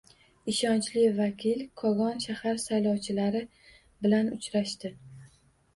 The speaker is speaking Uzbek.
Ishonchli vakil Kogon shahar saylovchilari bilan uchrashdi